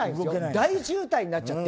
大渋滞になっちゃって。